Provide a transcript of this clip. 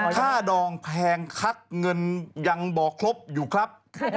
ดองแพงคักเงินยังบอกครบอยู่ครับ